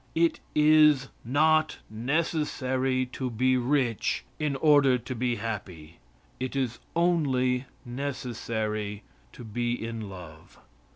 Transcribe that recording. It is not necessary to be rich in order to be happy. It is only necessary to be in love.